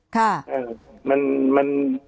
ค่ะ